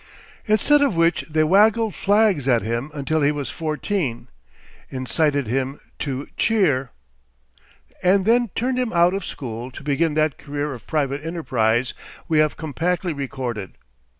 Instead of which they waggled flags at him until he was fourteen, incited him to cheer, and then turned him out of school to begin that career of private enterprise we have compactly recorded.